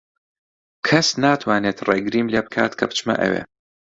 کەس ناتوانێت ڕێگریم لێ بکات کە بچمە ئەوێ.